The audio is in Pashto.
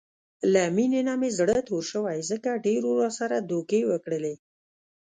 له مینې نه مې زړه تور شوی، ځکه ډېرو راسره دوکې وکړلې.